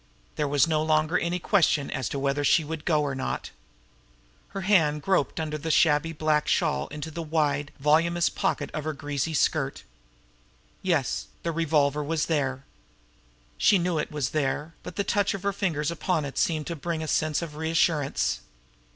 There was no longer any question as to whether she would go or not. Her hand groped down under the shabby black shawl into the wide, voluminous pocket of her greasy skirt. Yes, her revolver was there. She knew it was there, but the touch of her fingers upon it seemed to bring a sense of reassurance.